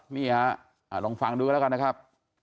นี่ฮะลองฟังดูกันแล้วกันนะครับ